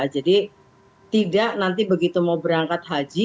jadi tidak nanti begitu mau berangkat haji